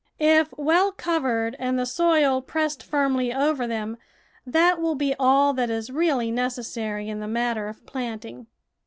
If well covered and the soil pressed firmly over them, that will be ail that is really necessary in the matter of planting.